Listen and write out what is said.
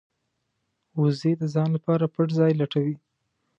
وزې د ځان لپاره پټ ځای لټوي